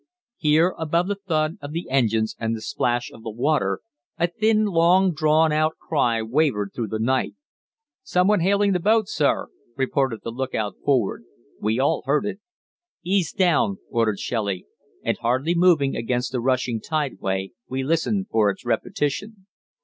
Here above the thud of the engines and the plash of the water, a thin, long drawn out cry wavered through the night. 'Some one hailing the boat, sir,' reported the lookout forward. We had all heard it. 'Ease down,' ordered Shelley, and hardly moving against the rushing tideway we listened for its repetition.